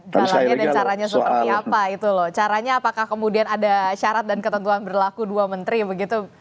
jalannya dan caranya seperti apa itu loh caranya apakah kemudian ada syarat dan ketentuan berlaku dua menteri begitu